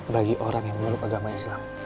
bagi orang yang memeluk agama islam